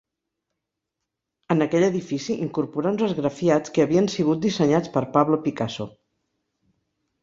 En aquell edifici incorporà uns esgrafiats que havien sigut dissenyats per Pablo Picasso.